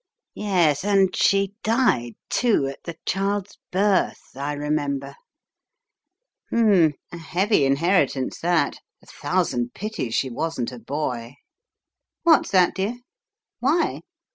Yes, and she died, too, at the child's birth I remember. Hm! a heavy inheritance that, a thousand pities she wasn't a boy What's that, dear? Why?